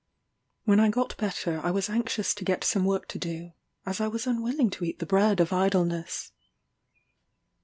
When I got better I was anxious to get some work to do, as I was unwilling to eat the bread of idleness.